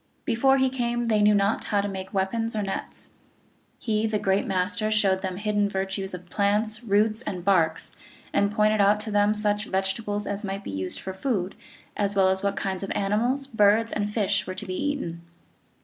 Before he came they knew not how to make weapons or nets. He the Great Master showed them the hid den virtues of plants, roots, and barks, and pointed out to them such vegetables as might be used for food, as well as what kinds of animals, birds, and fish were to be eaten.